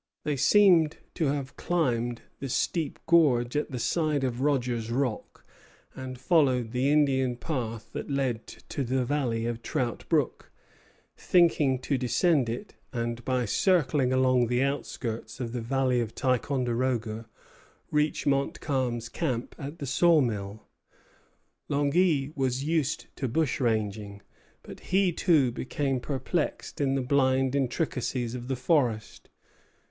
They seem to have climbed the steep gorge at the side of Rogers Rock and followed the Indian path that led to the valley of Trout Brook, thinking to descend it, and, by circling along the outskirts of the valley of Ticonderoga, reach Montcalm's camp at the saw mill. Langy was used to bushranging; but he too became perplexed in the blind intricacies of the forest.